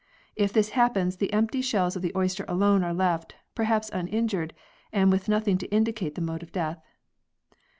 If this happens, the empty shells of the oyster alone are left, perhaps uninjured and with nothing to indicate the mode of death.